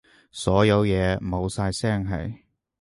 所有嘢冇晒聲氣